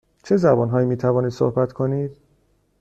چه زبان هایی می توانید صحبت کنید؟